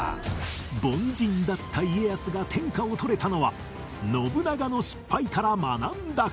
凡人だった家康が天下を取れたのは信長の失敗から学んだから